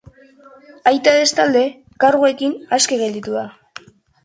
Aita bestalde, karguekin aske gelditu da.